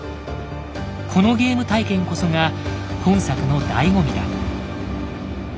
このゲーム体験こそが本作のだいご味だ。